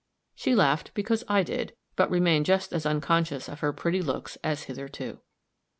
She laughed because I did, but remained just as unconscious of her pretty looks as hitherto.